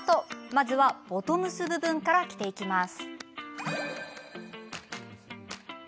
まずは、ボトムス部分から着ていきます。